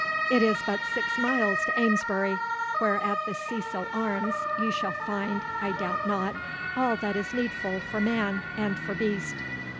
'It is but six miles to Amesbury, where at the Cecil Arms ye shall find, I doubt not, all that is needful for man and for beast.